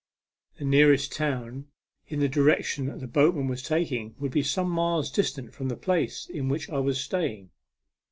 The nearest town in the direction the boatman was taking would be some miles distant from the place in which I was staying.